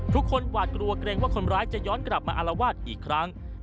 หวาดกลัวเกรงว่าคนร้ายจะย้อนกลับมาอารวาสอีกครั้ง